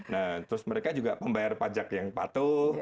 nah terus mereka juga pembayar pajak yang patuh